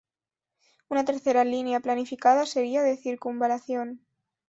Una tercera línea planificada sería de circunvalación.